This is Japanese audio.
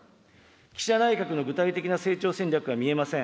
岸田内閣の具体的な成長戦略が見えません。